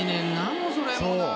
もうそれもな。